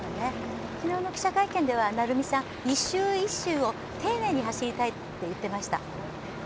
昨日の記者会見では成美さん、１周１周を丁寧に走りたいって言っていました。